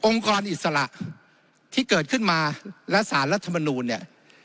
องค์กรอิสระที่เกิดขึ้นมาและสารรัฐธรรมนูญ